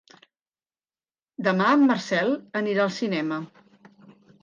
Demà en Marcel anirà al cinema.